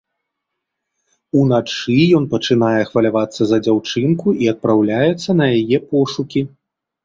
Уначы ён пачынае хвалявацца за дзяўчынку і адпраўляецца на яе пошукі.